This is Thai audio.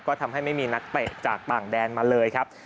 ก็ทำให้ไม่มีนักเตะจากต่างแดนมาเลยครับ